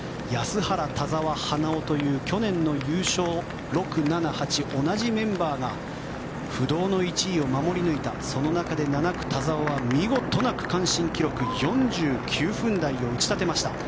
５区、篠原安原、田澤、花尾という去年の優勝、６、７、８同じメンバーが不動の１位を守り抜いたその中で田澤が４９分台を打ち立てました。